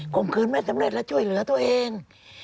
มขืนไม่สำเร็จและช่วยเหลือตัวเอง